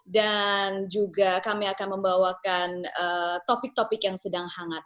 dan juga kami akan membawakan topik topik yang sedang hangat